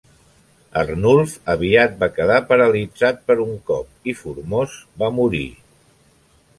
Arnulf aviat va quedar paralitzat per un cop i Formós va morir.